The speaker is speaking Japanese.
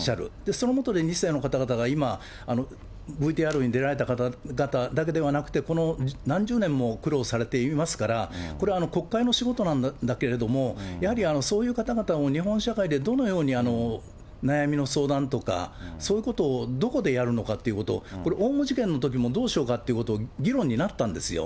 そのもとで２世の方々が今、ＶＴＲに出られた方々だけではなくて、この何十年も苦労されていますから、これは国会の仕事なんだけれども、やはり、そういう方々を日本社会でどのように悩みの相談とか、そういうことをどこでやるのかっていうこと、これオウム事件のときも、どうしようかっていうことを議論になったんですよ。